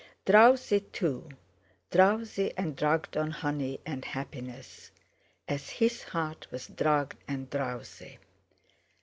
Drowsy, too, drowsy and drugged on honey and happiness; as his heart was drugged and drowsy.